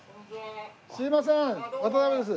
すいません渡辺です。